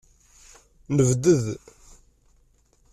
Nebded.